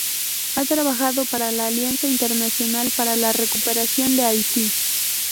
Ha trabajado para la Alianza Internacional para la recuperación de Haití.